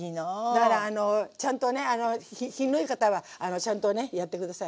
だからあのちゃんとね品のいい方はちゃんとねやって下さい。